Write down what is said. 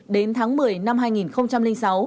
đến tháng một mươi năm hai nghìn sáu